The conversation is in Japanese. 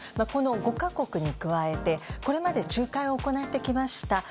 この５か国に加えてこれまで仲介を行ってきました